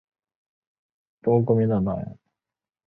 中国国民党党员。